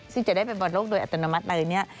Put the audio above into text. ซึ่งจะได้เป็นบอดโลกโดยอัตโนมัติในวันนี้